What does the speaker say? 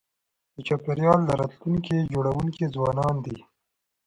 د چاپېریال د راتلونکي جوړونکي ځوانان دي.